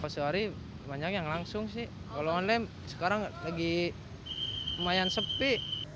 sehari banyak yang langsung sih kalau online sekarang lagi lumayan sepi